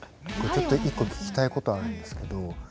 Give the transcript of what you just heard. ちょっと一個聞きたいことあるんですけど。